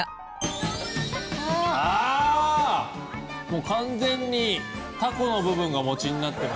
もう完全にタコの部分がもちになってます。